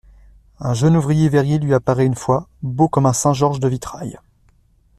Un jeune ouvrier verrier lui apparaît une fois, beau comme un saint Georges de vitrail.